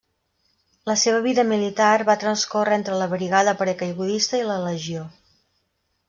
La seva vida militar va transcórrer entre la Brigada Paracaigudista i La Legió.